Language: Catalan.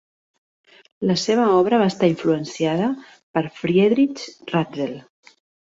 La seva obra va estar influenciada per Friedrich Ratzel.